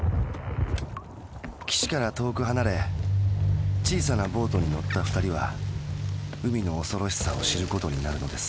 岸から遠く離れ小さなボートに乗ったふたりは海の恐ろしさを知ることになるのです。